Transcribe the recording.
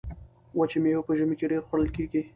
وچې میوې په ژمي کې ډیرې خوړل کیږي.